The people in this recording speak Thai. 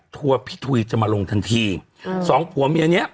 ทัวร์พี่ทุยจะมาลงทันทีอืมสองผัวเมียเนี้ย